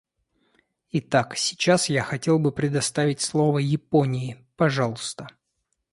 Итак, сейчас я хотел бы предоставить слово Японии, пожалуйста.